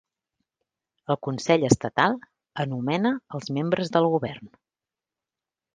El Consell Estatal anomena els membres del Govern.